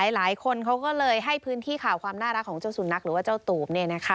หลายคนเขาก็เลยให้พื้นที่ข่าวความน่ารักของเจ้าสุนัขหรือว่าเจ้าตูบ